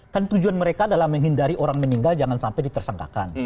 kan tujuan mereka adalah menghindari orang meninggal jangan sampai ditersangkakan